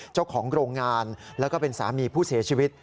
เจ้าของโรงงานแล้วก็เป็นสามีผู้เสียชีวิต